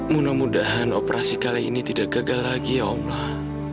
mudah mudahan operasi kali ini tidak gagal lagi ya allah